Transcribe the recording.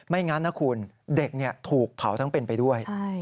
งั้นนะคุณเด็กถูกเผาทั้งเป็นไปด้วย